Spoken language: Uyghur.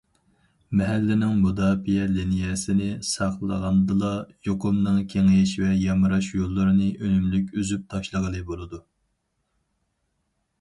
مەھەللىنىڭ مۇداپىئە لىنىيەسىنى ساقلىغاندىلا، يۇقۇمنىڭ كېڭىيىش ۋە يامراش يوللىرىنى ئۈنۈملۈك ئۈزۈپ تاشلىغىلى بولىدۇ.